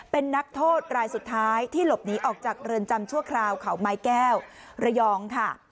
เป็นนักโทษรายสุดท้ายที่หลบหนีออกจากเรือนจำชั่วคราวเขาไม้แก้วระยองค่ะ